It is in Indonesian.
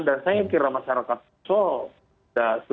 dan saya kira masyarakat sudah berhasil